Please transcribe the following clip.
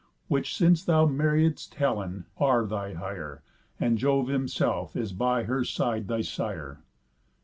Which, since thou marriedst Helen, are thy hire, And Jove himself is by her side thy sire.